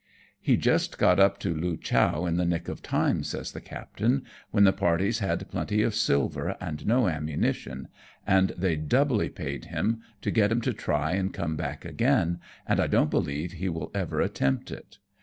" He just got up to Loochow in the nick of time," says the captain, " when the parties had plenty of silver and no ammunition, and they doubly paid him to get him to try and come back again, and I don't believe he will ever attempt it.